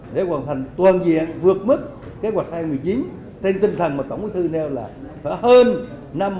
để hoàn thành toàn diện vượt mức kế hoạch hai nghìn một mươi chín trên tinh thần mà tổng bí thư nêu là phải hơn năm hai nghìn hai mươi